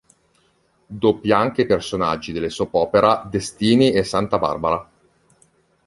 Doppia anche i personaggi delle soap opera "Destini" e "Santa Barbara".